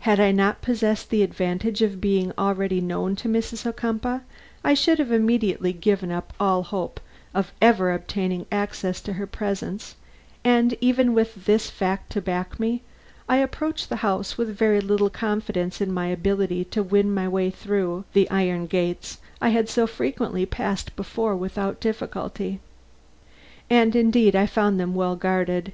Had I not possessed the advantage of being already known to Mrs. Ocumpaugh, I should have immediately given up all hope of ever obtaining access to her presence; and even with this fact to back me, I approached the house with very little confidence in my ability to win my way through the high iron gates I had so frequently passed before without difficulty. And indeed I found them well guarded.